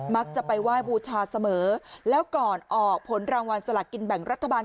จะไปไหว้บูชาเสมอแล้วก่อนออกผลรางวัลสละกินแบ่งรัฐบาล